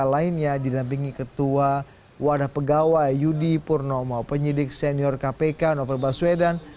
lainnya didampingi ketua wadah pegawai yudi purnomo penyidik senior kpk novel baswedan